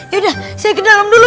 ya udah saya ke dalam dulu